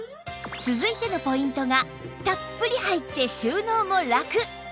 続いてのポイントがたっぷり入って収納もラク！